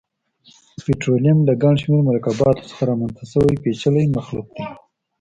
پټرولیم له ګڼشمېر مرکباتو څخه رامنځته شوی پېچلی مخلوط دی.